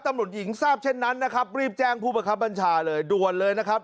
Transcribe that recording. ตำรวจหญิงทราบเช่นนั้นนะครับรีบแจ้งผู้ประคับบัญชาเลยด่วนเลยนะครับ